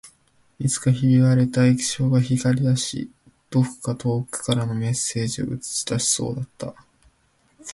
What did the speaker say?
いつかひび割れた液晶が光り出し、どこか遠くからのメッセージを映し出しそうだった